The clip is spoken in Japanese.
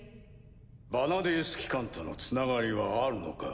ヴァナディース機関とのつながりはあるのか？